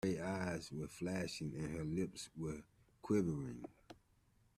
Her gray eyes were flashing, and her lips were quivering.